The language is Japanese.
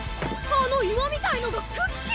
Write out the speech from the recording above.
あの岩みたいのがクッキー！？